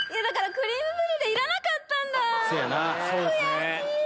クリームブリュレいらなかった悔しい！